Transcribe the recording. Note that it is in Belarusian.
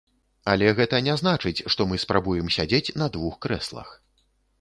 Але гэта не значыць, што мы спрабуем сядзець на двух крэслах.